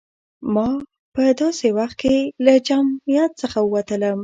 ما په داسې وخت کې له جمعیت څخه ووتلم.